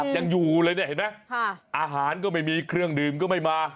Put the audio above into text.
ยังอยู่เลยเนี่ยเห็นไหมอาหารก็ไม่มีเครื่องดื่มก็ไม่มา